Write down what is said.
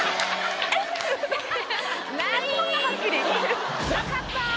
何？なかった。